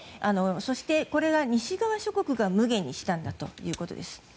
そして、これは西側諸国が無碍にしたんだということです。